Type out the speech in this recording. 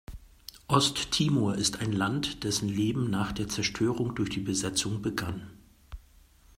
Osttimor ist ein Land, dessen Leben nach der Zerstörung durch die Besetzung begann.